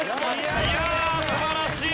いやあ！素晴らしい！